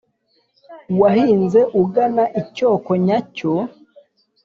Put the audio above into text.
wahinze ugana icyoko nyacyo